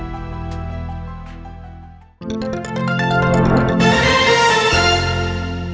โปรดติดตามตอนต่อไป